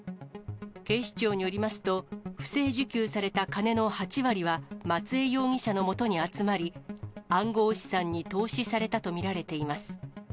警視庁によりますと、不正受給された金の８割は、松江容疑者の下に集まり、暗号資産に投資されたと見られています。